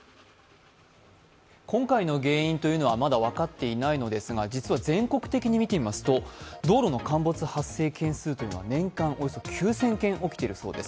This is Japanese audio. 今回の原因はまだ分かっていないのですが実は全国的に見てみますと、道路の陥没発生件数は年間およそ９０００件起きているそうです。